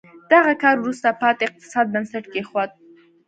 دغه کار وروسته پاتې اقتصاد بنسټ کېښود.